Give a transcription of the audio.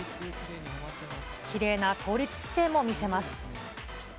きれいな倒立姿勢も見せます。